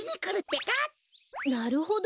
なるほど。